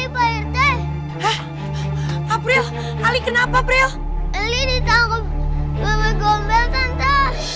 pak rete ayo cepet pak rete sekarang juga kita mesti ke sana